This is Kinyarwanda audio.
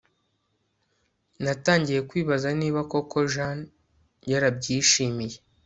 natangiye kwibaza niba koko jean yarabyishimiye